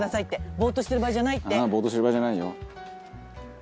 「ボーッとしてる場合じゃないよ」